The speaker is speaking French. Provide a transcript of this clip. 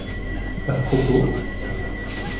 À ce propos.